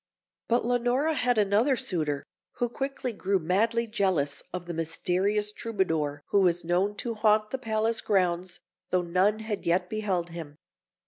But Leonora had another suitor, who quickly grew madly jealous of the mysterious Troubadour who was known to haunt the palace grounds, though none had yet beheld him.